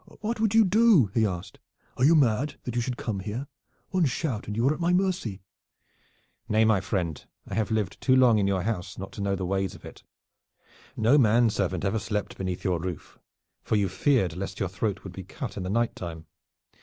"What would you do?" he asked. "Are you mad, that you should come here. One shout and you are at my mercy." "Nay, my friend, I have lived too long in your house not to know the ways of it. No man servant ever slept beneath your roof, for you feared lest your throat would be cut in the night time.